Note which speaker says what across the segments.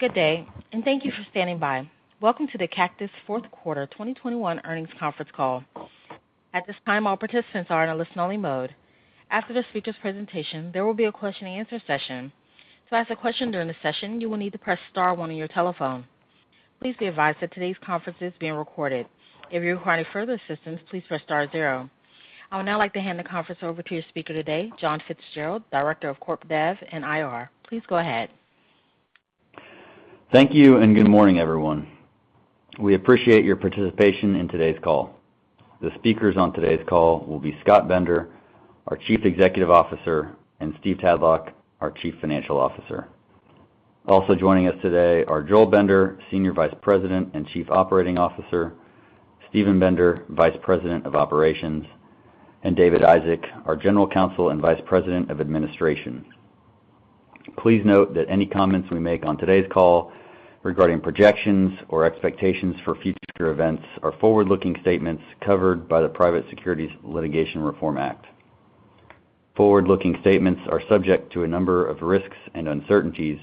Speaker 1: Good day, and thank you for standing by. Welcome to the Cactus fourth quarter 2021 earnings conference call. At this time, all participants are in a listen-only mode. After the speaker's presentation, there will be a question-and-answer session. To ask a question during the session, you will need to press star one on your telephone. Please be advised that today's conference is being recorded. If you require any further assistance, please press star zero. I would now like to hand the conference over to your speaker today, John Fitzgerald, Director of Corp Dev and IR. Please go ahead.
Speaker 2: Thank you, and good morning, everyone. We appreciate your participation in today's call. The speakers on today's call will be Scott Bender, our Chief Executive Officer, and Steve Tadlock, our Chief Financial Officer. Also joining us today are Joel Bender, Senior Vice President and Chief Operating Officer, Steven Bender, Vice President of Operations, and David Isaac, our General Counsel and Vice President of Administration. Please note that any comments we make on today's call regarding projections or expectations for future events are forward-looking statements covered by the Private Securities Litigation Reform Act. Forward-looking statements are subject to a number of risks and uncertainties,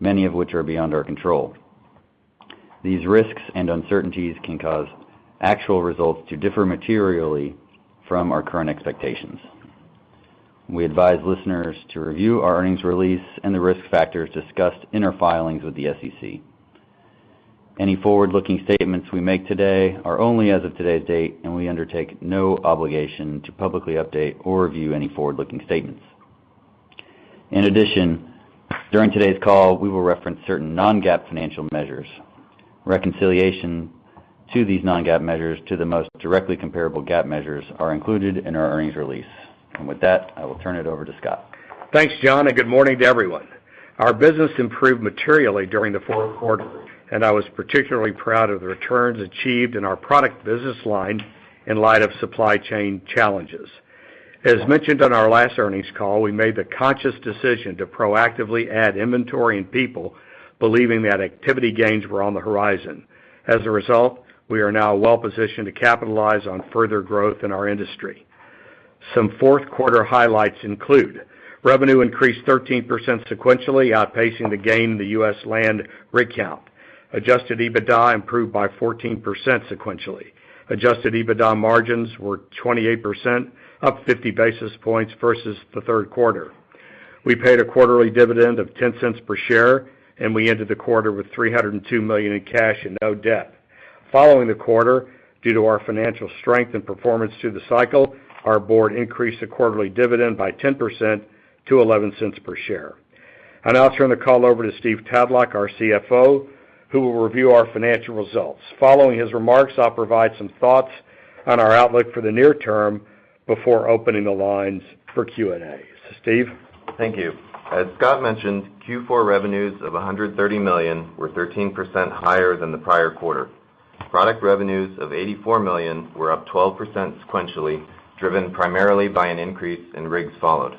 Speaker 2: many of which are beyond our control. These risks and uncertainties can cause actual results to differ materially from our current expectations. We advise listeners to review our earnings release and the risk factors discussed in our filings with the SEC. Any forward-looking statements we make today are only as of today's date, and we undertake no obligation to publicly update or review any forward-looking statements. In addition, during today's call, we will reference certain non-GAAP financial measures. Reconciliation to these non-GAAP measures to the most directly comparable GAAP measures are included in our earnings release. With that, I will turn it over to Scott.
Speaker 3: Thanks, John, and good morning to everyone. Our business improved materially during the fourth quarter, and I was particularly proud of the returns achieved in our product business line in light of supply chain challenges. As mentioned on our last earnings call, we made the conscious decision to proactively add inventory and people believing that activity gains were on the horizon. As a result, we are now well-positioned to capitalize on further growth in our industry. Some fourth quarter highlights include revenue increased 13% sequentially, outpacing the gain in the U.S. land rig count. Adjusted EBITDA improved by 14% sequentially. Adjusted EBITDA margins were 28%, up 50 basis points versus the third quarter. We paid a quarterly dividend of $0.10 per share, and we ended the quarter with $302 million in cash and no debt. Following the quarter, due to our financial strength and performance through the cycle, our board increased the quarterly dividend by 10% to $0.11 per share. I'll now turn the call over to Steve Tadlock, our CFO, who will review our financial results. Following his remarks, I'll provide some thoughts on our outlook for the near term before opening the lines for Q&A. Steve.
Speaker 4: Thank you. As Scott mentioned, Q4 revenues of $130 million were 13% higher than the prior quarter. Product revenues of $84 million were up 12% sequentially, driven primarily by an increase in rigs followed.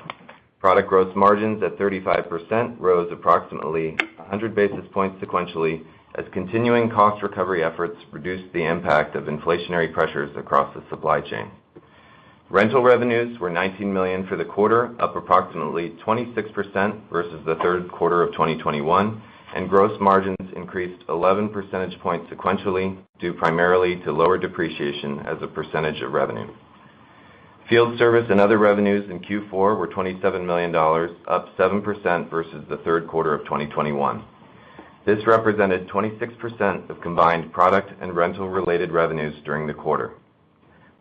Speaker 4: Product gross margins at 35% rose approximately 100 basis points sequentially as continuing cost recovery efforts reduced the impact of inflationary pressures across the supply chain. Rental revenues were $19 million for the quarter, up approximately 26% versus the third quarter of 2021, and gross margins increased 11 percentage points sequentially due primarily to lower depreciation as a percentage of revenue. Field service and other revenues in Q4 were $27 million, up 7% versus the third quarter of 2021. This represented 26% of combined product and rental-related revenues during the quarter.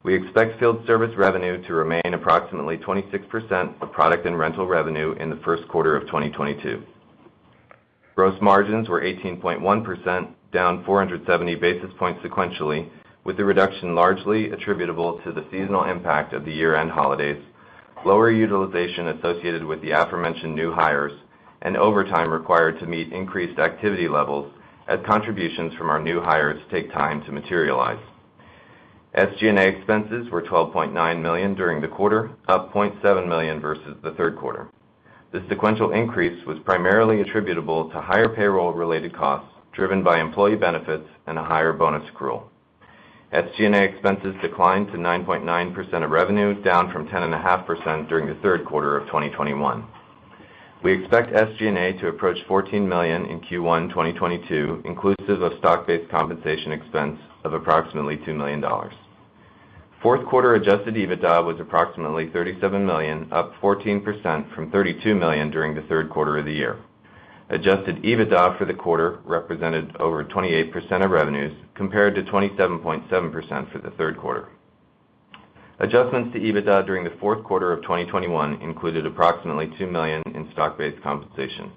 Speaker 4: We expect field service revenue to remain approximately 26% of product and rental revenue in the first quarter of 2022. Gross margins were 18.1%, down 470 basis points sequentially, with the reduction largely attributable to the seasonal impact of the year-end holidays, lower utilization associated with the aforementioned new hires, and overtime required to meet increased activity levels as contributions from our new hires take time to materialize. SG&A expenses were $12.9 million during the quarter, up $0.7 million versus the third quarter. The sequential increase was primarily attributable to higher payroll-related costs driven by employee benefits and a higher bonus accrual. SG&A expenses declined to 9.9% of revenue, down from 10.5% during the third quarter of 2021. We expect SG&A to approach $14 million in Q1 2022, inclusive of stock-based compensation expense of approximately $2 million. Fourth quarter adjusted EBITDA was approximately $37 million, up 14% from $32 million during the third quarter of the year. Adjusted EBITDA for the quarter represented over 28% of revenues compared to 27.7% for the third quarter. Adjustments to EBITDA during the fourth quarter of 2021 included approximately $2 million in stock-based compensation.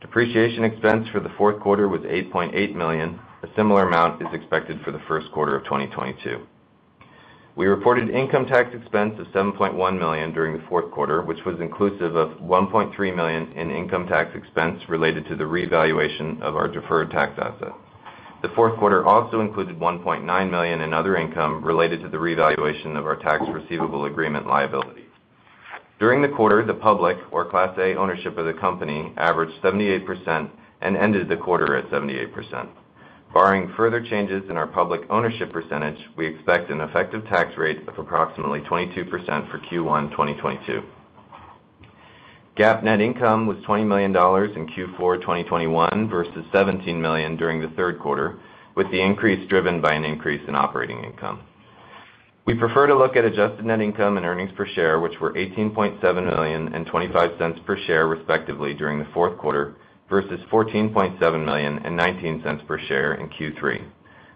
Speaker 4: Depreciation expense for the fourth quarter was $8.8 million. A similar amount is expected for the first quarter of 2022. We reported income tax expense of $7.1 million during the fourth quarter, which was inclusive of $1.3 million in income tax expense related to the revaluation of our deferred tax asset. The fourth quarter also included $1.9 million in other income related to the revaluation of our tax receivable agreement liability. During the quarter, the public or Class A ownership of the company averaged 78% and ended the quarter at 78%. Barring further changes in our public ownership percentage, we expect an effective tax rate of approximately 22% for Q1 2022. GAAP net income was $20 million in Q4 2021 versus $17 million during the third quarter, with the increase driven by an increase in operating income. We prefer to look at adjusted net income and earnings per share, which were $18.7 million and $0.25 per share, respectively, during the fourth quarter versus $14.7 million and $0.19 per share in Q3.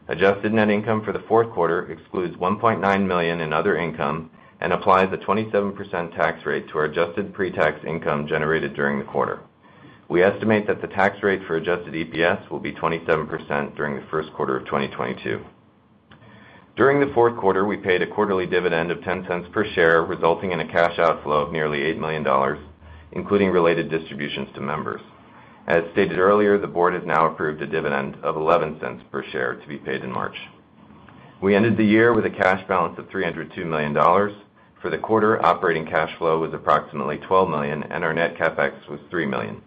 Speaker 4: Adjusted net income for the fourth quarter excludes $1.9 million in other income and applies a 27% tax rate to our adjusted pre-tax income generated during the quarter. We estimate that the tax rate for adjusted EPS will be 27% during the first quarter of 2022. During the fourth quarter, we paid a quarterly dividend of $0.10 per share, resulting in a cash outflow of nearly $8 million, including related distributions to members. As stated earlier, the board has now approved a dividend of $0.11 per share to be paid in March. We ended the year with a cash balance of $302 million. For the quarter, operating cash flow was approximately $12 million, and our net CapEx was $3 million.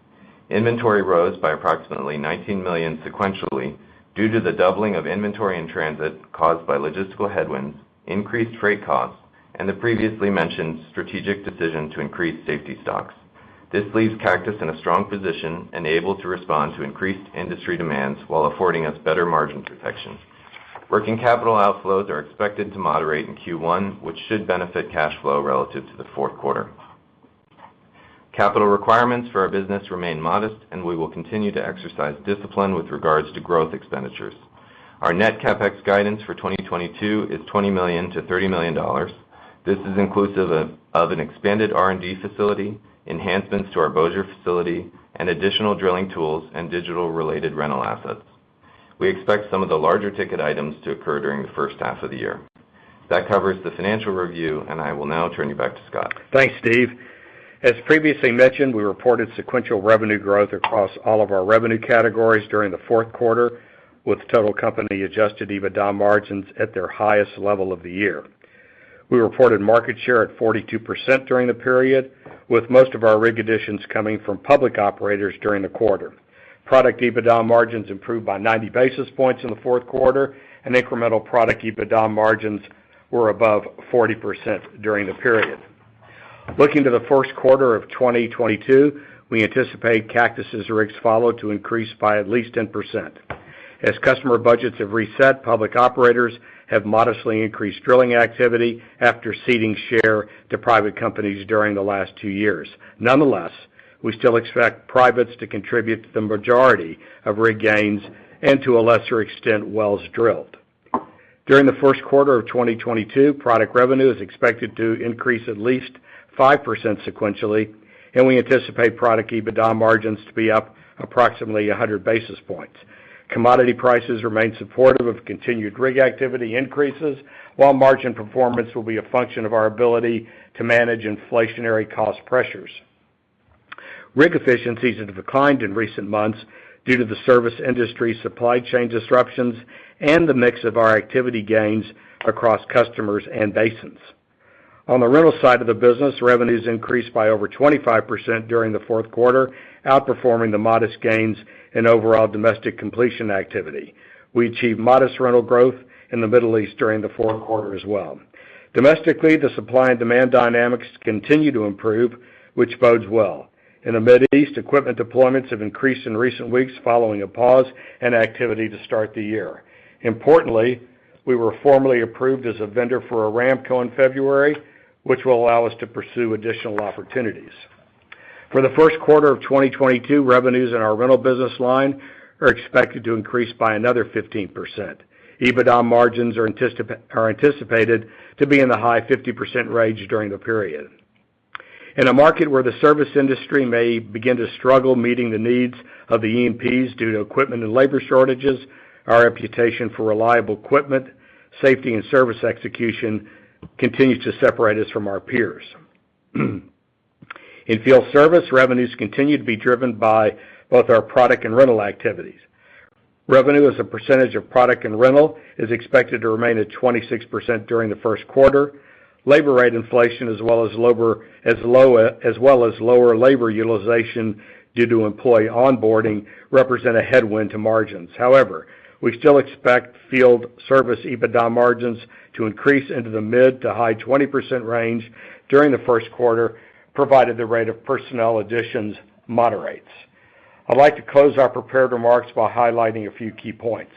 Speaker 4: Inventory rose by approximately $19 million sequentially due to the doubling of inventory in transit caused by logistical headwinds, increased freight costs, and the previously mentioned strategic decision to increase safety stocks. This leaves Cactus in a strong position and able to respond to increased industry demands while affording us better margin protection. Working capital outflows are expected to moderate in Q1, which should benefit cash flow relative to the fourth quarter. Capital requirements for our business remain modest, and we will continue to exercise discipline with regards to growth expenditures. Our net CapEx guidance for 2022 is $20 million-$30 million. This is inclusive of an expanded R&D facility, enhancements to our Bossier facility, and additional drilling tools and digital-related rental assets. We expect some of the larger ticket items to occur during the first half of the year. That covers the financial review, and I will now turn you back to Scott.
Speaker 3: Thanks, Steve. As previously mentioned, we reported sequential revenue growth across all of our revenue categories during the fourth quarter, with total company adjusted EBITDA margins at their highest level of the year. We reported market share at 42% during the period, with most of our rig additions coming from public operators during the quarter. Product EBITDA margins improved by 90 basis points in the fourth quarter, and incremental product EBITDA margins were above 40% during the period. Looking to the first quarter of 2022, we anticipate Cactus's rig count to increase by at least 10%. As customer budgets have reset, public operators have modestly increased drilling activity after ceding share to private companies during the last two years. Nonetheless, we still expect privates to contribute to the majority of rig gains and, to a lesser extent, wells drilled. During the first quarter of 2022, product revenue is expected to increase at least 5% sequentially, and we anticipate product EBITDA margins to be up approximately 100 basis points. Commodity prices remain supportive of continued rig activity increases, while margin performance will be a function of our ability to manage inflationary cost pressures. Rig efficiencies have declined in recent months due to the service industry supply chain disruptions and the mix of our activity gains across customers and basins. On the rental side of the business, revenues increased by over 25% during the fourth quarter, outperforming the modest gains in overall domestic completion activity. We achieved modest rental growth in the Middle East during the fourth quarter as well. Domestically, the supply and demand dynamics continue to improve, which bodes well. In the Middle East, equipment deployments have increased in recent weeks following a pause in activity to start the year. Importantly, we were formally approved as a vendor for Aramco in February, which will allow us to pursue additional opportunities. For the first quarter of 2022, revenues in our rental business line are expected to increase by another 15%. EBITDA margins are anticipated to be in the high 50% range during the period. In a market where the service industry may begin to struggle meeting the needs of the E&Ps due to equipment and labor shortages, our reputation for reliable equipment, safety, and service execution continues to separate us from our peers. In field service, revenues continue to be driven by both our product and rental activities. Revenue as a percentage of product and rental is expected to remain at 26% during the first quarter. Labor rate inflation, as well as lower labor utilization due to employee onboarding, represent a headwind to margins. However, we still expect field service EBITDA margins to increase into the mid- to high-20% range during the first quarter, provided the rate of personnel additions moderates. I'd like to close our prepared remarks by highlighting a few key points.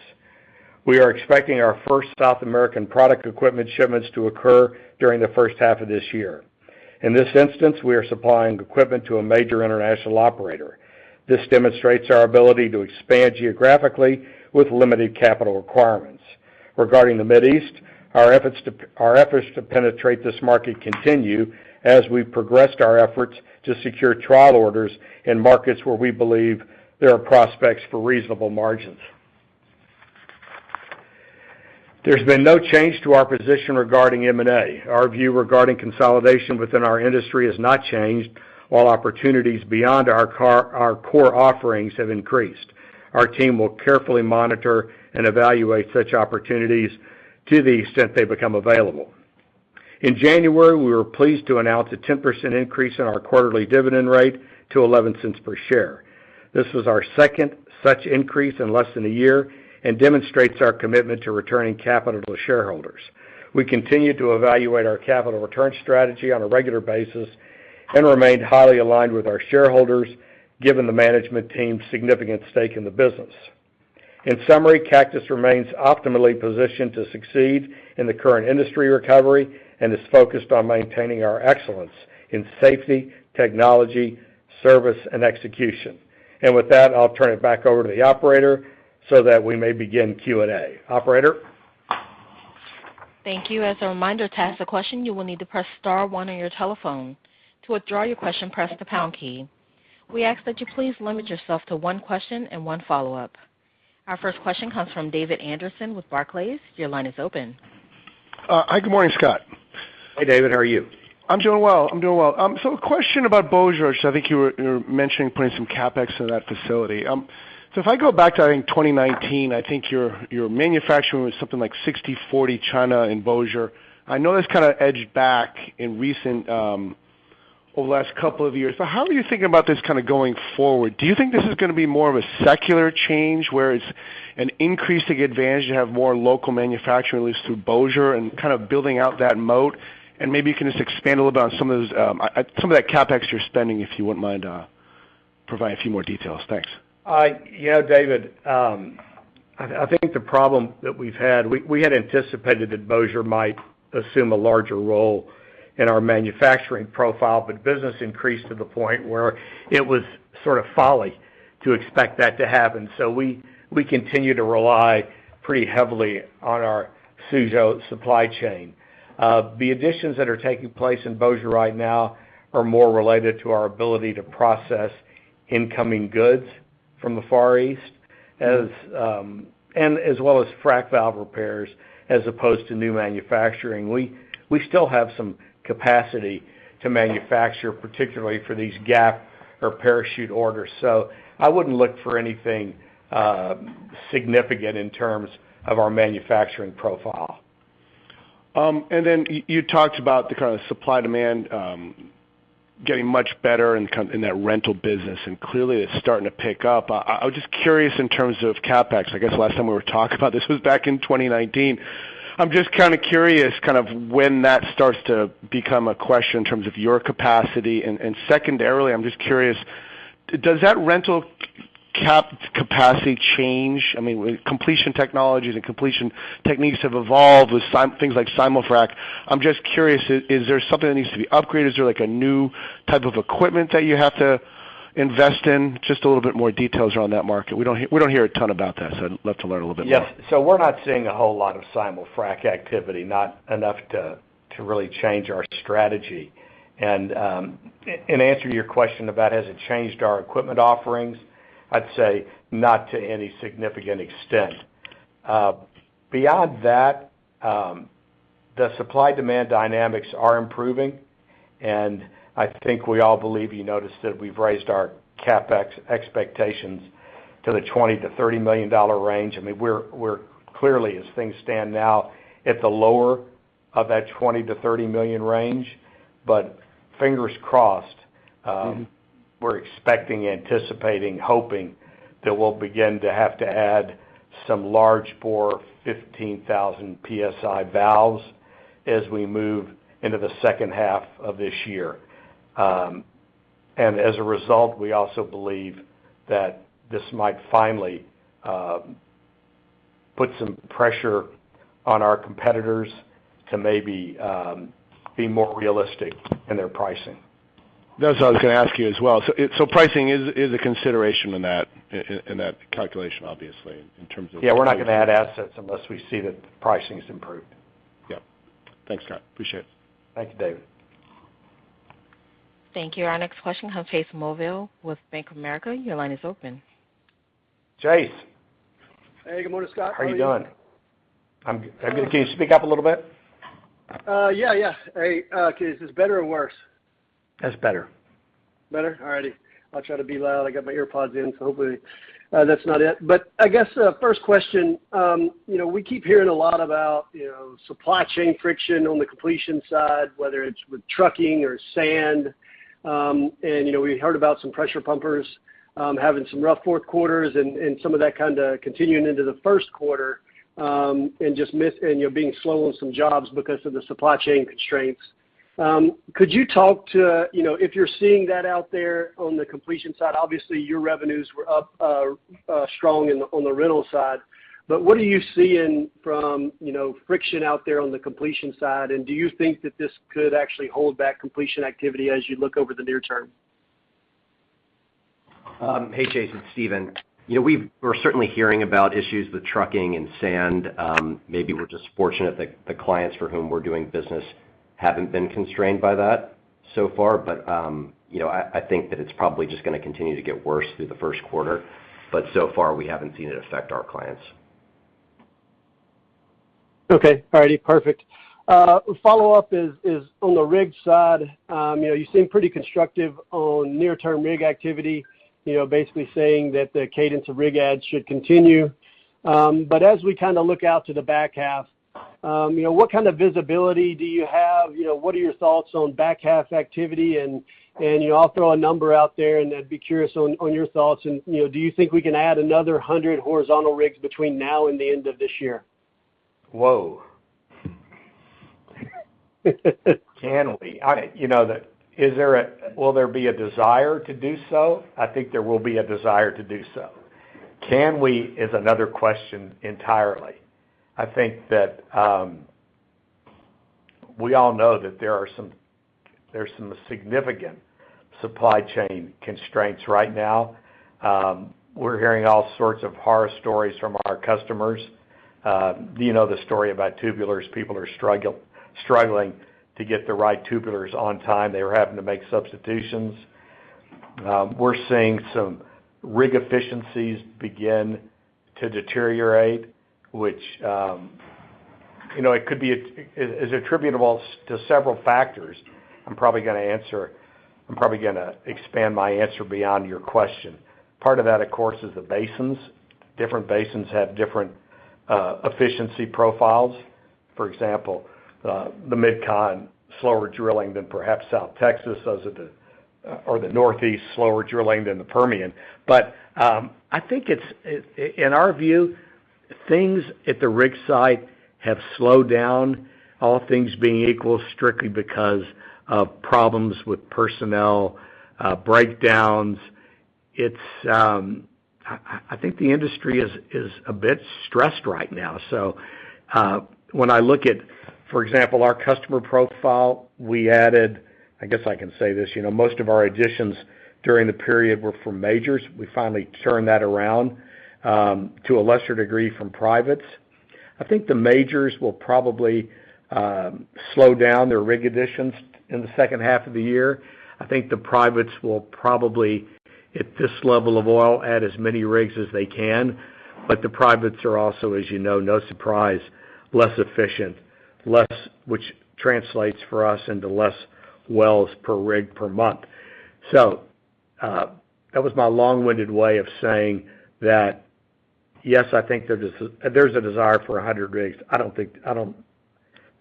Speaker 3: We are expecting our first South American product equipment shipments to occur during the first half of this year. In this instance, we are supplying equipment to a major international operator. This demonstrates our ability to expand geographically with limited capital requirements. Regarding the Middle East, our efforts to penetrate this market continue as we've progressed our efforts to secure trial orders in markets where we believe there are prospects for reasonable margins. There's been no change to our position regarding M&A. Our view regarding consolidation within our industry has not changed. While opportunities beyond our core offerings have increased, our team will carefully monitor and evaluate such opportunities to the extent they become available. In January, we were pleased to announce a 10% increase in our quarterly dividend rate to $0.11 per share. This was our second such increase in less than a year and demonstrates our commitment to returning capital to shareholders. We continue to evaluate our capital return strategy on a regular basis and remain highly aligned with our shareholders, given the management team's significant stake in the business. In summary, Cactus remains optimally positioned to succeed in the current industry recovery and is focused on maintaining our excellence in safety, technology, service, and execution. With that, I'll turn it back over to the operator so that we may begin Q&A. Operator?
Speaker 1: Thank you. As a reminder, to ask a question, you will need to press star one on your telephone. To withdraw your question, press the pound key. We ask that you please limit yourself to one question and one follow-up. Our first question comes from David Anderson with Barclays. Your line is open.
Speaker 5: Hi. Good morning, Scott.
Speaker 3: Hey, David. How are you?
Speaker 5: I'm doing well. A question about Bossier, which I think you were mentioning putting some CapEx into that facility. If I go back to, I think, 2019, I think your manufacturing was something like 60/40 China in Bossier. I know that's kinda edged back in recent over the last couple of years. How are you thinking about this kinda going forward? Do you think this is gonna be more of a secular change, where it's an increasing advantage to have more local manufacturing at least through Bossier and kind of building out that moat? Maybe you can just expand a little bit on some of that CapEx you're spending, if you wouldn't mind providing a few more details. Thanks.
Speaker 3: You know, David, I think the problem that we've had, we had anticipated that Bossier might assume a larger role in our manufacturing profile, but business increased to the point where it was sort of folly to expect that to happen. We continue to rely pretty heavily on our Suzhou supply chain. The additions that are taking place in Bossier right now are more related to our ability to process incoming goods from the Far East and as well as frac valve repairs as opposed to new manufacturing. We still have some capacity to manufacture, particularly for these gap or parachute orders. I wouldn't look for anything significant in terms of our manufacturing profile.
Speaker 5: You talked about the kind of supply-demand getting much better in that rental business, and clearly it's starting to pick up. I was just curious in terms of CapEx. I guess the last time we were talking about this was back in 2019. I'm just kinda curious kind of when that starts to become a question in terms of your capacity. Secondarily, I'm just curious, does that rental capacity change? I mean, completion technologies and completion techniques have evolved with things like simulfrac. I'm just curious, is there something that needs to be upgraded? Is there, like, a new type of equipment that you have to invest in? Just a little bit more details around that market. We don't hear a ton about that, so I'd love to learn a little bit more.
Speaker 3: Yes. We're not seeing a whole lot of simulfrac activity, not enough to really change our strategy. In answer to your question about has it changed our equipment offerings, I'd say not to any significant extent. Beyond that, the supply-demand dynamics are improving, and I think we all believe you noticed that we've raised our CapEx expectations to the $20 million-$30 million range. I mean, we're clearly, as things stand now, at the lower of that $20 million-$30 million range. Fingers crossed.
Speaker 5: Mm-hmm.
Speaker 3: We're expecting, anticipating, hoping that we'll begin to have to add some large bore 15,000 PSI valves as we move into the second half of this year. As a result, we also believe that this might finally put some pressure on our competitors to maybe be more realistic in their pricing.
Speaker 5: That's what I was gonna ask you as well. Pricing is a consideration in that calculation, obviously, in terms of-
Speaker 3: Yeah. We're not gonna add assets unless we see that pricing's improved.
Speaker 5: Yep. Thanks, Scott. Appreciate it.
Speaker 3: Thank you, David.
Speaker 1: Thank you. Our next question comes from Chase Mulvehill with Bank of America. Your line is open.
Speaker 3: Chase.
Speaker 6: Hey, good morning, Scott. How are you?
Speaker 3: How are you doing? I'm good. Can you speak up a little bit?
Speaker 6: Yeah. Hey, okay. Is this better or worse?
Speaker 3: That's better.
Speaker 6: Better? All righty. I'll try to be loud. I got my AirPods in, so hopefully that's not it. I guess first question, you know, we keep hearing a lot about, you know, supply chain friction on the completion side, whether it's with trucking or sand. You know, we heard about some pressure pumpers having some rough fourth quarters and some of that kinda continuing into the first quarter and just being slow on some jobs because of the supply chain constraints. Could you talk to, you know, if you're seeing that out there on the completion side, obviously, your revenues were up strong in the on the rental side. What are you seeing from, you know, friction out there on the completion side? Do you think that this could actually hold back completion activity as you look over the near term?
Speaker 7: Hey, Chase, it's Steven. You know, we're certainly hearing about issues with trucking and sand. Maybe we're just fortunate that the clients for whom we're doing business haven't been constrained by that so far. You know, I think that it's probably just gonna continue to get worse through the first quarter. So far, we haven't seen it affect our clients.
Speaker 6: Okay. All righty, perfect. Follow-up is on the rig side. You know, you seem pretty constructive on near-term rig activity, you know, basically saying that the cadence of rig adds should continue. But as we kinda look out to the back half, you know, what kind of visibility do you have? You know, what are your thoughts on back half activity? You know, I'll throw a number out there, and I'd be curious on your thoughts and, you know, do you think we can add another 100 horizontal rigs between now and the end of this year?
Speaker 3: Whoa. Can we? You know, will there be a desire to do so? I think there will be a desire to do so. Can we is another question entirely. I think that we all know that there are some significant supply chain constraints right now. We're hearing all sorts of horror stories from our customers. You know the story about tubulars. People are struggling to get the right tubulars on time. They were having to make substitutions. We're seeing some rig efficiencies begin to deteriorate, which you know, it could be attributable to several factors. I'm probably gonna expand my answer beyond your question. Part of that, of course, is the basins. Different basins have different efficiency profiles. For example, the MidCon, slower drilling than perhaps South Texas or the Northeast, slower drilling than the Permian. I think in our view, things at the rig site have slowed down, all things being equal, strictly because of problems with personnel, breakdowns. I think the industry is a bit stressed right now. When I look at, for example, our customer profile, we added, I guess I can say this, you know, most of our additions during the period were from majors. We finally turned that around to a lesser degree from privates. I think the majors will probably slow down their rig additions in the second half of the year. I think the privates will probably, at this level of oil, add as many rigs as they can. The privates are also, as you know, no surprise, less efficient, which translates for us into less wells per rig per month. That was my long-winded way of saying that, yes, I think there's a desire for 100 rigs. I don't think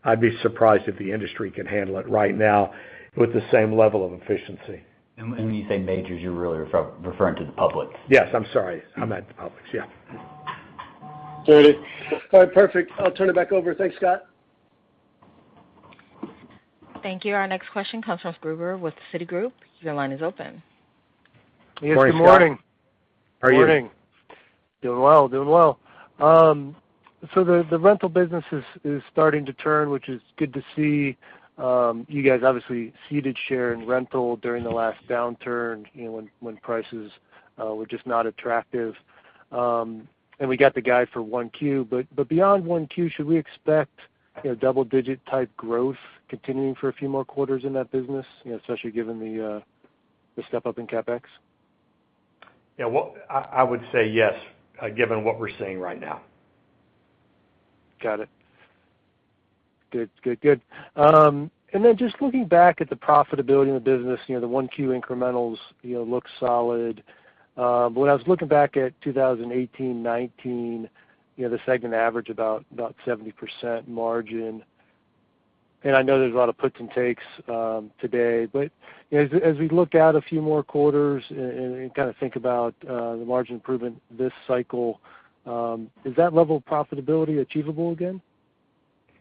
Speaker 3: I'd be surprised if the industry can handle it right now with the same level of efficiency.
Speaker 6: When you say majors, you're really referring to the public.
Speaker 3: Yes. I'm sorry. I meant the public, yeah.
Speaker 6: There it is. All right. Perfect. I'll turn it back over. Thanks, Scott.
Speaker 1: Thank you. Our next question comes from Gruber with Citigroup. Your line is open.
Speaker 8: Yes. Good morning.
Speaker 3: Morning, Scott. How are you?
Speaker 8: Morning. Doing well. The rental business is starting to turn, which is good to see. You guys obviously ceded share in rental during the last downturn, you know, when prices were just not attractive. We got the guide for 1Q. Beyond 1Q, should we expect, you know, double digit type growth continuing for a few more quarters in that business, you know, especially given the step up in CapEx?
Speaker 3: Yeah. Well, I would say yes, given what we're seeing right now.
Speaker 8: Got it. Good. Just looking back at the profitability in the business, you know, the 1Q incrementals, you know, look solid. When I was looking back at 2018, 2019, you know, the segment average about 70% margin. I know there's a lot of puts and takes today, but you know, as we look out a few more quarters and kind of think about the margin improvement this cycle, is that level of profitability achievable again?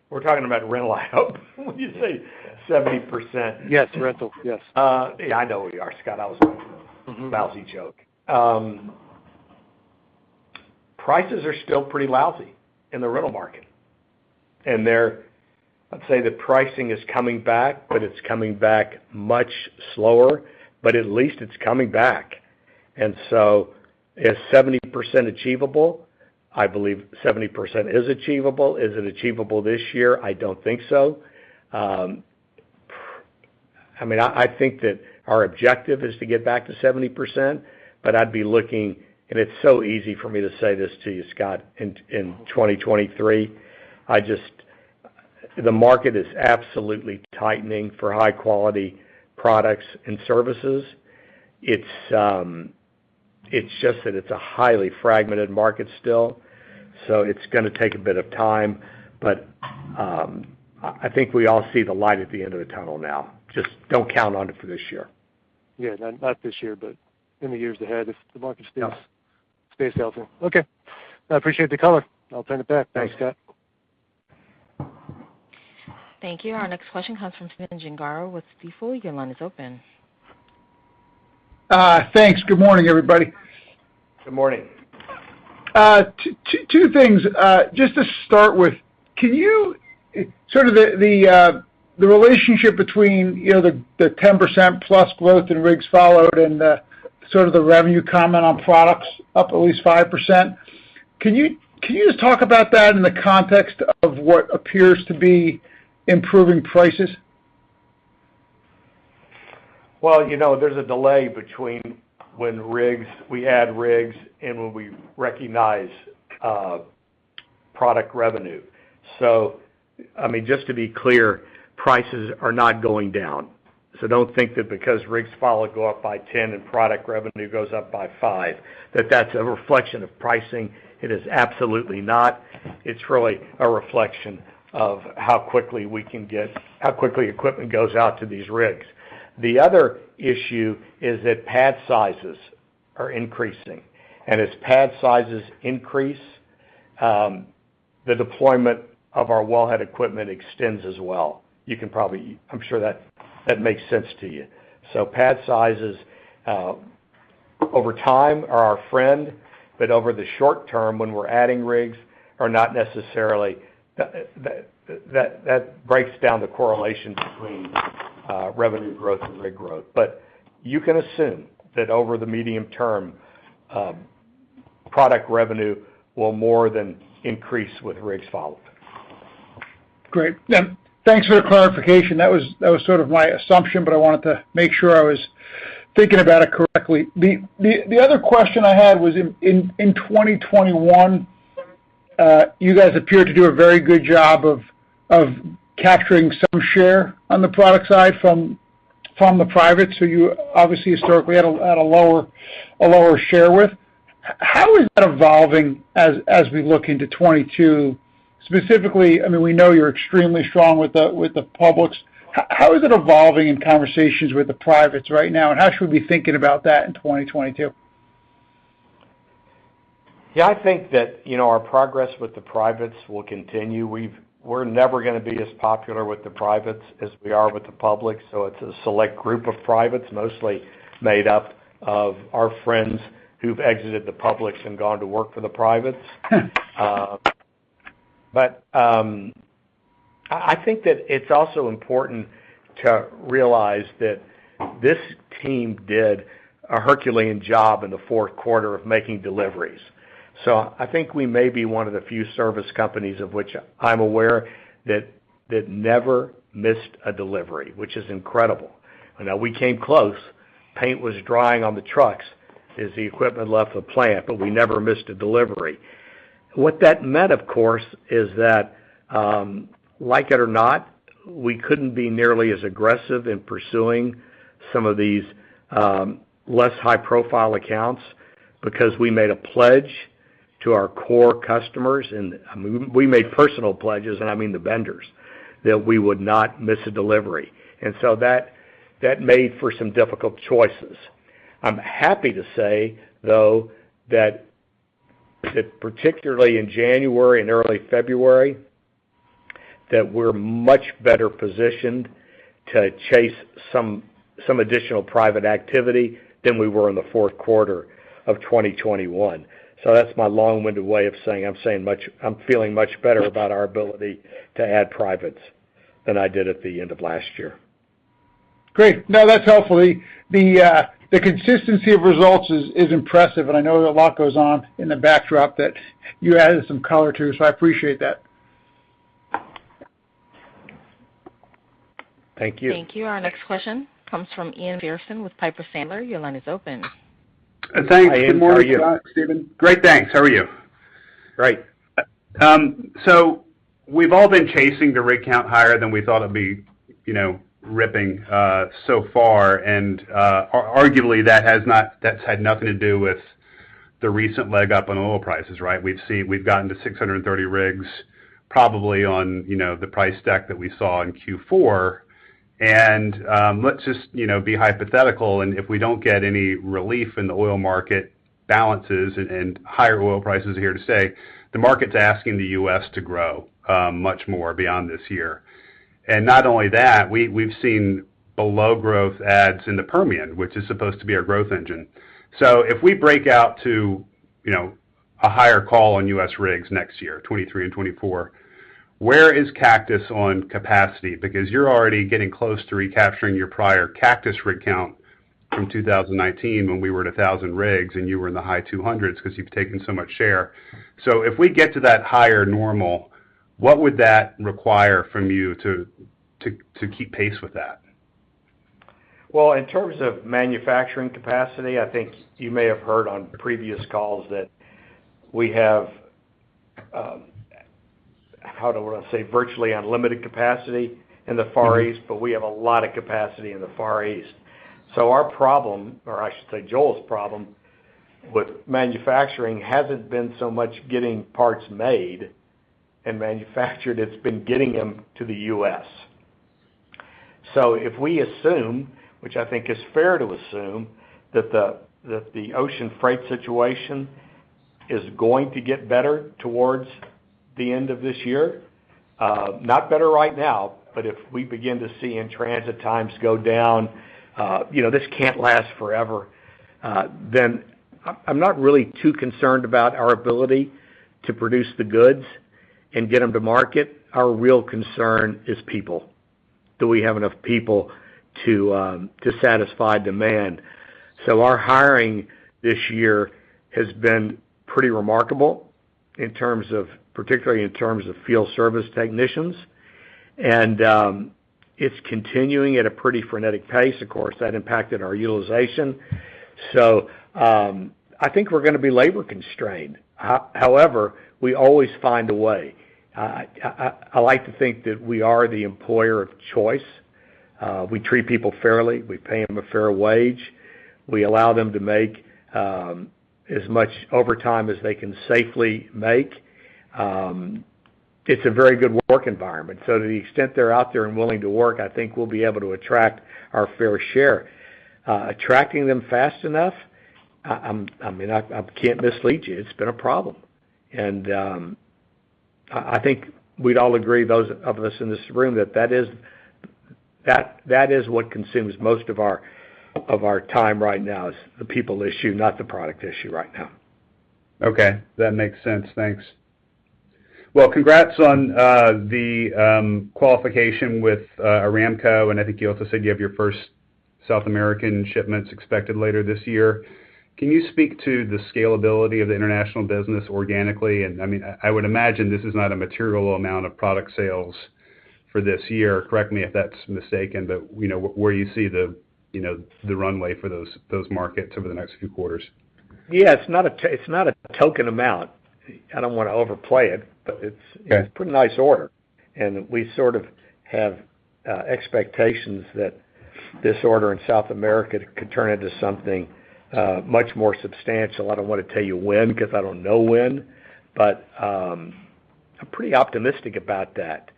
Speaker 3: We're talking about rental, I hope when you say 70%.
Speaker 8: Yes. Rental. Yes.
Speaker 3: Yeah, I know we are, Scott.
Speaker 8: Mm-hmm
Speaker 3: Lousy joke. Prices are still pretty lousy in the rental market. I'd say the pricing is coming back, but it's coming back much slower. At least it's coming back. Is 70% achievable? I believe 70% is achievable. Is it achievable this year? I don't think so. I mean, I think that our objective is to get back to 70%, but I'd be looking. It's so easy for me to say this to you, Scott, in 2023. The market is absolutely tightening for high-quality products and services. It's just that it's a highly fragmented market still, so it's gonna take a bit of time. I think we all see the light at the end of the tunnel now. Just don't count on it for this year.
Speaker 8: Yeah. Not this year, but in the years ahead if the market stays.
Speaker 3: Yeah
Speaker 8: stays healthy. Okay. I appreciate the color. I'll turn it back. Thanks, Scott.
Speaker 1: Thank you. Our next question comes from Stephen Gengaro with Stifel. Your line is open.
Speaker 9: Thanks. Good morning, everybody.
Speaker 3: Good morning.
Speaker 9: Two things. Just to start with, can you sort of the relationship between, you know, the 10%+ growth in rigs active and the revenue comment on products up at least 5%, can you just talk about that in the context of what appears to be improving prices?
Speaker 3: Well, you know, there's a delay between when we add rigs and when we recognize product revenue. I mean, just to be clear, prices are not going down. Don't think that because rig count goes up by 10 and product revenue goes up by 5, that's a reflection of pricing. It is absolutely not. It's really a reflection of how quickly equipment goes out to these rigs. The other issue is that pad sizes are increasing, and as pad sizes increase, the deployment of our wellhead equipment extends as well. You can probably. I'm sure that makes sense to you. Pad sizes over time are our friend, but over the short term, when we're adding rigs, are not necessarily. That breaks down the correlation between revenue growth and rig growth. You can assume that over the medium term, product revenue will more than increase with rigs followed.
Speaker 9: Great. Yeah, thanks for the clarification. That was sort of my assumption, but I wanted to make sure I was thinking about it correctly. The other question I had was in 2021, you guys appeared to do a very good job of capturing some share on the product side from the privates who you obviously historically had a lower share with. How is that evolving as we look into 2022? Specifically, I mean, we know you're extremely strong with the publics. How is it evolving in conversations with the privates right now, and how should we be thinking about that in 2022?
Speaker 3: Yeah, I think that, you know, our progress with the privates will continue. We're never gonna be as popular with the privates as we are with the public, so it's a select group of privates, mostly made up of our friends who've exited the publics and gone to work for the privates. But I think that it's also important to realize that this team did a Herculean job in the fourth quarter of making deliveries. I think we may be one of the few service companies of which I'm aware that never missed a delivery, which is incredible. Now, we came close. Paint was drying on the trucks as the equipment left the plant, but we never missed a delivery. What that meant, of course, is that, like it or not, we couldn't be nearly as aggressive in pursuing some of these less high-profile accounts because we made a pledge to our core customers and, I mean, we made personal pledges, and I mean the vendors, that we would not miss a delivery. That made for some difficult choices. I'm happy to say, though, that particularly in January and early February, we're much better positioned to chase some additional private activity than we were in the fourth quarter of 2021. That's my long-winded way of saying I'm feeling much better about our ability to add privates than I did at the end of last year.
Speaker 9: Great. No, that's helpful. The consistency of results is impressive, and I know a lot goes on in the backdrop that you added some color to, so I appreciate that.
Speaker 3: Thank you.
Speaker 1: Thank you. Our next question comes from Ian Macpherson with Piper Sandler. Your line is open.
Speaker 3: Thanks, Ian. How are you?
Speaker 10: Good morning, Scott, Steven.
Speaker 3: Great, thanks. How are you?
Speaker 10: Great. We've all been chasing the rig count higher than we thought it'd be, you know, ripping so far. Arguably, that's had nothing to do with the recent leg up on oil prices, right? We've gotten to 630 rigs probably on, you know, the price stack that we saw in Q4. Let's just, you know, be hypothetical and if we don't get any relief in the oil market balances and higher oil prices are here to stay, the market's asking the U.S. to grow much more beyond this year. Not only that, we've seen below-growth adds in the Permian, which is supposed to be our growth engine. If we break out to, you know, a higher call on U.S. rigs next year, 2023 and 2024, where is Cactus on capacity? Because you're already getting close to recapturing your prior Cactus rig count from 2019 when we were at 1,000 rigs and you were in the high 200s 'cause you've taken so much share. If we get to that higher normal, what would that require from you to keep pace with that?
Speaker 3: Well, in terms of manufacturing capacity, I think you may have heard on previous calls that we have, how do I say, virtually unlimited capacity in the Far East, but we have a lot of capacity in the Far East. Our problem, or I should say Joel's problem, with manufacturing hasn't been so much getting parts made and manufactured, it's been getting them to the U.S. If we assume, which I think is fair to assume, that the ocean freight situation is going to get better towards the end of this year, not better right now, but if we begin to see in-transit times go down, you know, this can't last forever, then I'm not really too concerned about our ability to produce the goods and get them to market. Our real concern is people. Do we have enough people to satisfy demand? Our hiring this year has been pretty remarkable in terms of, particularly in terms of field service technicians. It's continuing at a pretty frenetic pace, of course, that impacted our utilization. I think we're gonna be labor constrained. However, we always find a way. I like to think that we are the employer of choice. We treat people fairly. We pay them a fair wage. We allow them to make as much overtime as they can safely make. It's a very good work environment. To the extent they're out there and willing to work, I think we'll be able to attract our fair share. Attracting them fast enough, I mean, I can't mislead you. It's been a problem. I think we'd all agree, those of us in this room, that is what consumes most of our time right now is the people issue, not the product issue right now.
Speaker 10: Okay. That makes sense. Thanks. Well, congrats on the qualification with Aramco. I think you also said you have your first South American shipments expected later this year. Can you speak to the scalability of the international business organically? I mean, I would imagine this is not a material amount of product sales for this year. Correct me if that's mistaken, but you know, where you see the runway for those markets over the next few quarters.
Speaker 3: Yeah. It's not a token amount. I don't wanna overplay it, but it's.
Speaker 11: Okay
Speaker 3: It's a pretty nice order. We sort of have expectations that this order in South America could turn into something much more substantial. I don't wanna tell you when 'cause I don't know when, but I'm pretty optimistic about that.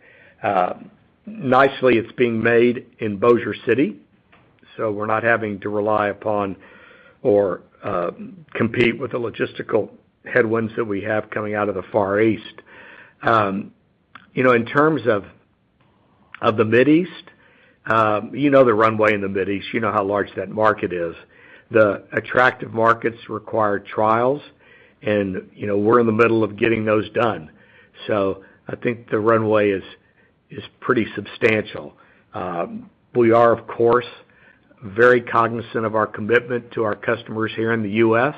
Speaker 3: Nicely, it's being made in Bossier City, so we're not having to rely upon or compete with the logistical headwinds that we have coming out of the Far East. You know, in terms of the Mid East, you know the runway in the Mid East. You know how large that market is. The attractive markets require trials and, you know, we're in the middle of getting those done. I think the runway is pretty substantial. We are, of course, very cognizant of our commitment to our customers here in the U.S.,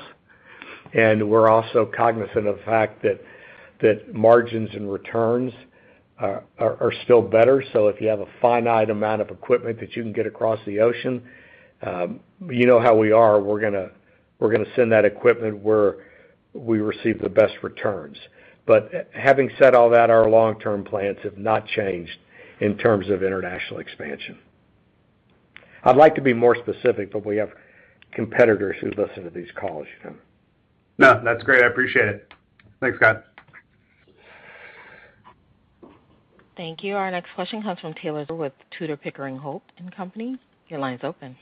Speaker 3: and we're also cognizant of the fact that margins and returns are still better. If you have a finite amount of equipment that you can get across the ocean, you know how we are. We're gonna send that equipment where we receive the best returns. Having said all that, our long-term plans have not changed in terms of international expansion. I'd like to be more specific, but we have competitors who listen to these calls, you know.
Speaker 10: No. That's great. I appreciate it. Thanks, Scott.
Speaker 1: Thank you. Our next question comes from Taylor with Tudor, Pickering, Holt & Co. Your line is open.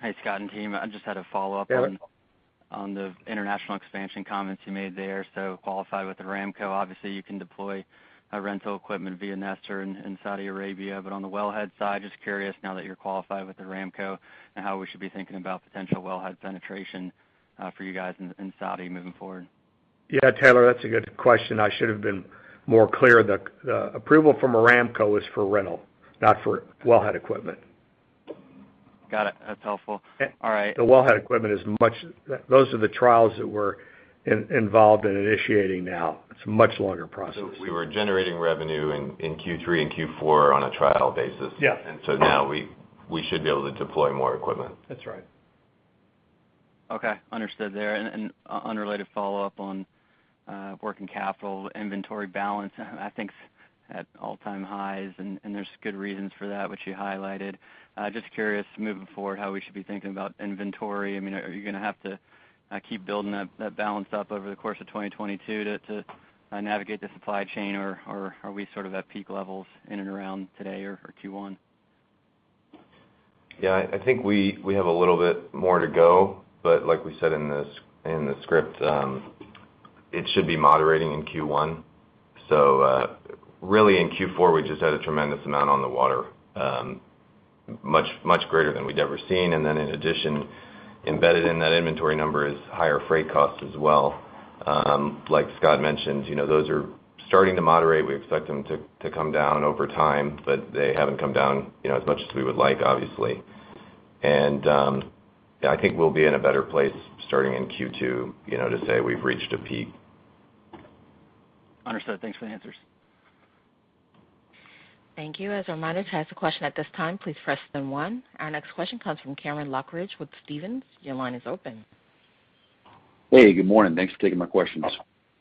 Speaker 12: Hi, Scott and team. I just had a follow-up on.
Speaker 3: Yeah...
Speaker 12: on the international expansion comments you made there. Qualified with Aramco. Obviously, you can deploy rental equipment via Nesor in Saudi Arabia. But on the wellhead side, just curious now that you're qualified with Aramco and how we should be thinking about potential wellhead penetration for you guys in Saudi moving forward.
Speaker 3: Yeah. Taylor, that's a good question. I should have been more clear. The approval from Aramco is for rental, not for well head equipment.
Speaker 12: Got it. That's helpful.
Speaker 3: Okay.
Speaker 12: All right.
Speaker 3: Those are the trials that we're involved in initiating now. It's a much longer process.
Speaker 4: We were generating revenue in Q3 and Q4 on a trial basis.
Speaker 3: Yeah.
Speaker 4: We should be able to deploy more equipment.
Speaker 3: That's right.
Speaker 12: Okay. Understood there. Unrelated follow-up on working capital inventory balance, I think at all-time highs, and there's good reasons for that, which you highlighted. Just curious, moving forward, how we should be thinking about inventory. I mean, are you gonna have to keep building that balance up over the course of 2022 to navigate the supply chain, or are we sort of at peak levels in and around today or Q1?
Speaker 4: Yeah. I think we have a little bit more to go. Like we said in the script, it should be moderating in Q1. Really in Q4, we just had a tremendous amount on the water, much greater than we'd ever seen. Then in addition, embedded in that inventory number is higher freight costs as well. Like Scott mentioned, you know, those are starting to moderate. We expect them to come down over time, but they haven't come down, you know, as much as we would like, obviously. Yeah, I think we'll be in a better place starting in Q2, you know, to say we've reached a peak.
Speaker 12: Understood. Thanks for the answers.
Speaker 1: Thank you. As our monitor has a question at this time, please press star one. Our next question comes from Cameron Lochridge with Stephens. Your line is open.
Speaker 11: Hey, good morning. Thanks for taking my questions.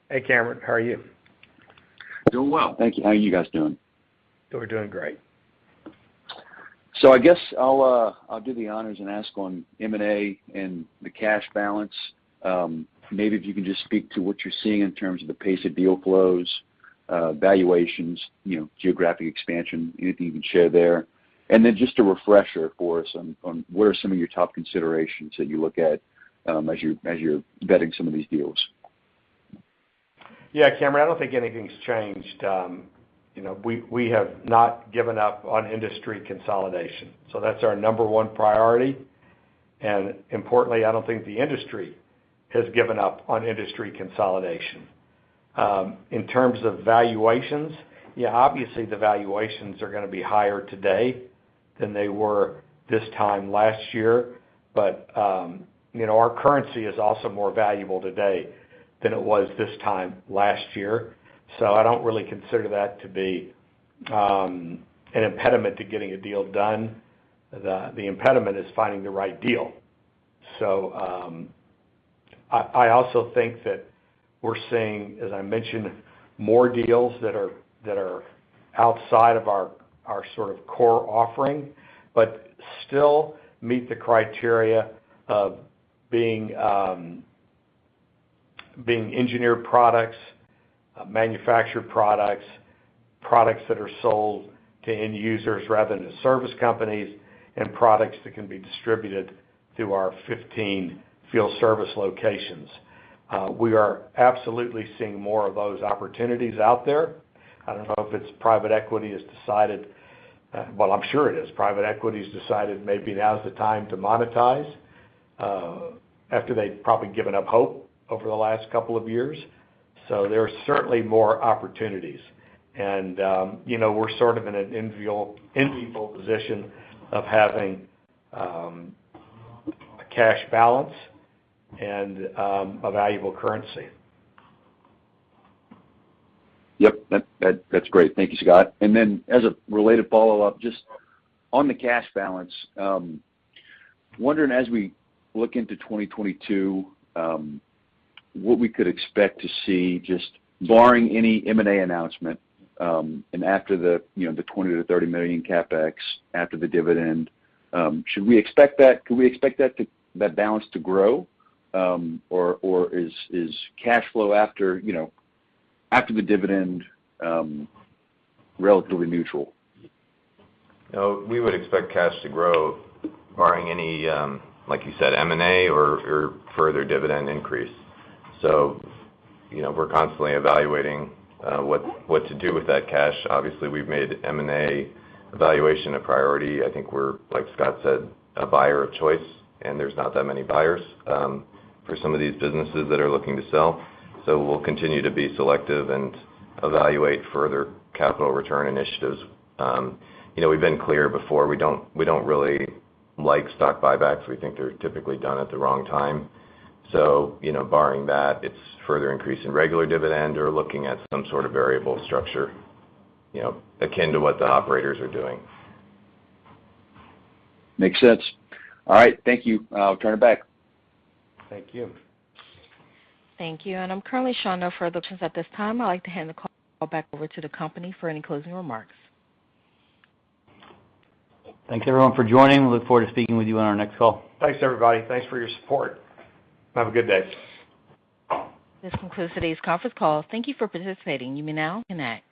Speaker 3: Hey, Cameron. How are you?
Speaker 11: Doing well. Thank you. How are you guys doing?
Speaker 3: We're doing great.
Speaker 11: I guess I'll do the honors and ask on M&A and the cash balance. Maybe if you can just speak to what you're seeing in terms of the pace of deal flows, valuations, you know, geographic expansion, anything you can share there. Then just a refresher for us on what are some of your top considerations that you look at as you're vetting some of these deals.
Speaker 3: Yeah, Cameron, I don't think anything's changed. You know, we have not given up on industry consolidation, so that's our number one priority. Importantly, I don't think the industry has given up on industry consolidation. In terms of valuations, yeah, obviously the valuations are gonna be higher today than they were this time last year. You know, our currency is also more valuable today than it was this time last year. I don't really consider that to be an impediment to getting a deal done. The impediment is finding the right deal. I also think that we're seeing, as I mentioned, more deals that are outside of our sort of core offering, but still meet the criteria of being engineered products, manufactured products that are sold to end users rather than to service companies, and products that can be distributed through our 15 field service locations. We are absolutely seeing more of those opportunities out there. I don't know if it's private equity has decided, well, I'm sure it is. Private equity's decided maybe now is the time to monetize after they've probably given up hope over the last couple of years. There are certainly more opportunities. You know, we're sort of in an enviable position of having a cash balance and a valuable currency.
Speaker 11: Yep. That's great. Thank you, Scott. As a related follow-up, just on the cash balance, wondering as we look into 2022, what we could expect to see just barring any M&A announcement, and after the $20 million-$30 million CapEx, after the dividend, should we expect that balance to grow? Or is cash flow after the dividend relatively neutral?
Speaker 4: No, we would expect cash to grow barring any, like you said, M&A or further dividend increase. You know, we're constantly evaluating what to do with that cash. Obviously, we've made M&A evaluation a priority. I think we're, like Scott said, a buyer of choice, and there's not that many buyers for some of these businesses that are looking to sell. We'll continue to be selective and evaluate further capital return initiatives. You know, we've been clear before, we don't really like stock buybacks. We think they're typically done at the wrong time. You know, barring that, it's further increase in regular dividend or looking at some sort of variable structure, you know, akin to what the operators are doing.
Speaker 11: Makes sense. All right. Thank you. I'll turn it back.
Speaker 3: Thank you.
Speaker 1: Thank you. I'm currently showing no further questions at this time. I'd like to hand the call back over to the company for any closing remarks.
Speaker 2: Thanks, everyone, for joining. We look forward to speaking with you on our next call.
Speaker 3: Thanks, everybody. Thanks for your support. Have a good day.
Speaker 1: This concludes today's conference call. Thank you for participating. You may now disconnect.